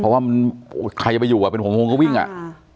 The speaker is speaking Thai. เพราะว่ามันใครจะไปอยู่อ่ะเป็นผมคงก็วิ่งอ่ะอ่า